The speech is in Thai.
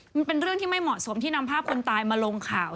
มันเป็นเรื่องที่ไม่เหมาะสมที่นำภาพคนตายมาลงข่าว